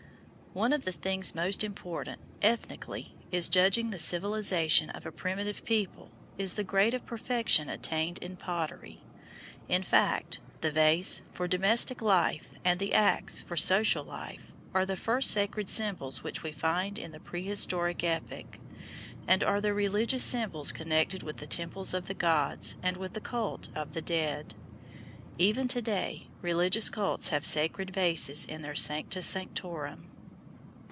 One of the things most important, ethnically, in judging the civilisation of a primitive people is the grade of perfection attained in pottery; in fact, the vase for domestic life and the axe for social life are the first sacred symbols which we find in the prehistoric epoch, and are the religious symbols connected with the temples of the gods and with the cult of the dead. Even to day, religious cults have sacred vases in their Sancta Sanctorum.